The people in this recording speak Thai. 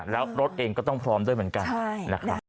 แล้วรถเองก็ต้องพร้อมด้วยเหมือนกันนะครับ